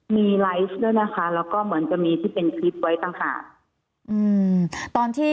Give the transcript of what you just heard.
มีไลฟ์ด้วยนะคะแล้วก็เหมือนจะมีที่เป็นคลิปไว้ต่างค่ะ